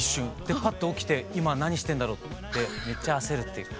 ではっと起きて今何してんだろうってめっちゃ焦るっていう。